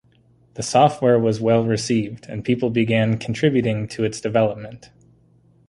The software was well received, and people began contributing to its development.